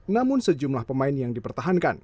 namun sejumlah pemain yang dipertahankan